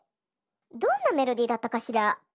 どんなメロディーだったかしら？